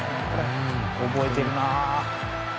覚えてるな。